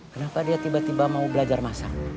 kenapa dia tiba tiba mau belajar masak